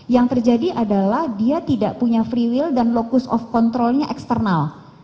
yang terjadi adalah dia tidak punya free will dan locus of control nya external